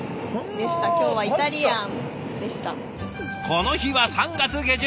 この日は３月下旬。